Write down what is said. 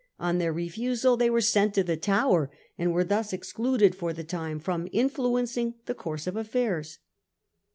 On their refusal they were sent to the Tower, and were thus excluded for the time from influencing the course of affairs.